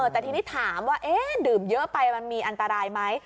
แต่ทีนี้ถามว่าดื่มเยอะไปมันมีอันตรายไหม